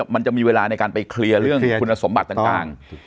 มันจะมีเวลาในการไปเคลียร์เรื่องคุณสมบัติต่าง